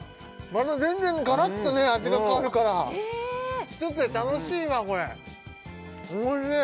また全然ガラッと味が変わるから１つで楽しいわこれおいしい！